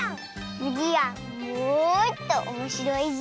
つぎはもっとおもしろいぞ。